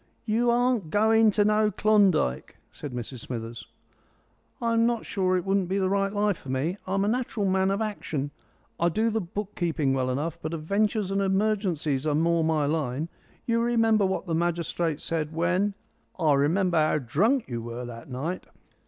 "You aren't going to no Klondike," said Mrs Smithers. "I'm not sure it wouldn't be the right life for me. I'm naturally a man of action. I do the book keeping well enough, but adventures and emergencies are more my line. You remember what the magistrate said when " "I remember how drunk you were that night."